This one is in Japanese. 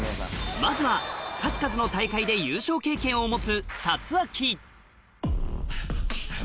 まずは数々の大会で優勝経験を持つ